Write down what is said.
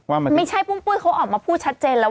ว่ามันไม่ใช่ปุ้งปุ้ยเขาออกมาพูดชัดเจนแล้ว